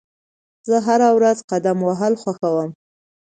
زه هره ورځ قدم وهل خوښوم.